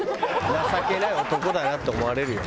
情けない男だなって思われるよ